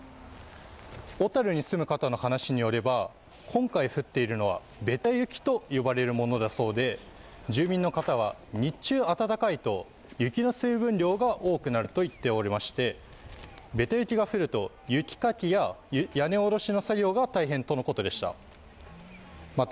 小樽に住む方の話によれば今回ふっているのはベタ雪と呼ばれるものだそうで住民の方は日中暖かいと雪の水分量が多くなると言っておりましてベタ雪が降ると雪かきや屋根下ろしの作業が大変とのことでした。